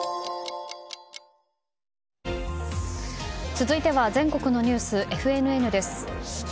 続いては全国のニュースＦＮＮです。